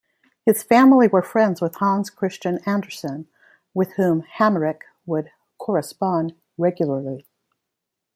His family were friends with Hans Christian Andersen, with whom Hamerik would correspond regularly.